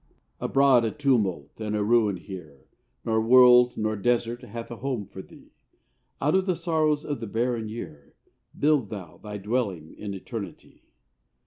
Abroad a tumult, and a ruin here; Nor world nor desert hath a home for thee. Out of the sorrows of the barren year Build thou thy dwelling in eternity.